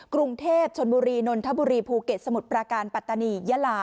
กรุงเทพชนบุรีนนทบุรีภูเก็ตสมุทรปราการปัตตานียะลา